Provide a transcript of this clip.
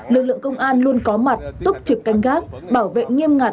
lực lượng công an luôn có mặt túc trực canh gác bảo vệ nghiêm ngặt